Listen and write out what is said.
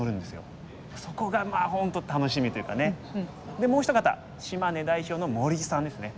でもう一方島根代表の森さんですね。